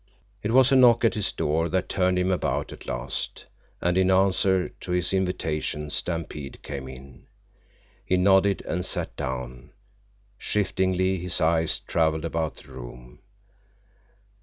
It was a knock at his door that turned him about at last, and in answer to his invitation Stampede came in. He nodded and sat down. Shiftingly his eyes traveled about the room.